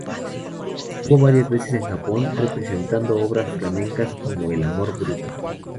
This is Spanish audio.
Estuvo varias veces en Japón representando obras flamencas como El amor brujo.